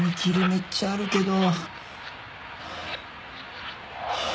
めっちゃあるけど。